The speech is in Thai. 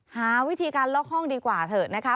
หาวิธีการล็อกห้องดีกว่าเถอะนะคะ